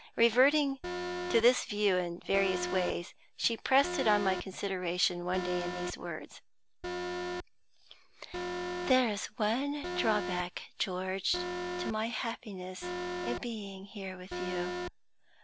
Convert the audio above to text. Reverting to this view in various ways, she pressed it on my consideration one day in these words: "There is one drawback, George, to my happiness in being here with you.